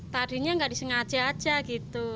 tadinya nggak disengaja aja gitu